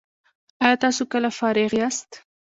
ایا تاسو کله فارغ یاست؟